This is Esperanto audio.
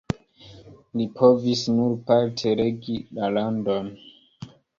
Li povis nur parte regi la landon.